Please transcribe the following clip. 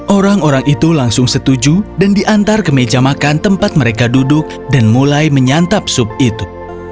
orang orang itu langsung setuju dan diantar ke meja makan tempat mereka duduk dan mulai menyantap sup itu